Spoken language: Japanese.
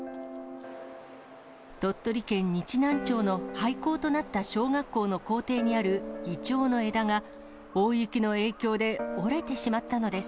鳥取県日南町の廃校となった小学校の校庭にあるイチョウの枝が、大雪の影響で折れてしまったのです。